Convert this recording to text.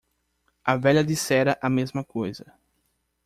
A velha dissera a mesma coisa.